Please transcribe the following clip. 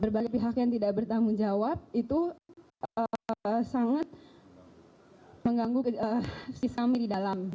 berbagai pihak yang tidak bertanggung jawab itu sangat mengganggu sisa mi di dalam